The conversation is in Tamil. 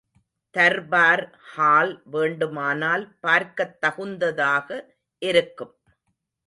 தர்பார் ஹால் வேண்டுமானால் பார்க்கத் தகுந்ததாக இருக்கும்.